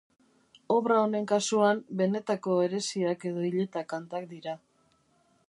Obra honen kasuan benetako eresiak edo hileta-kantak dira.